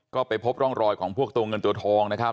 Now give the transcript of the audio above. ก็ไปพบร่องรอยของพวกตัวเงินตัวทองนะครับ